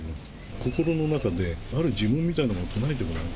心の中である呪文みたいなものを唱えてごらんと。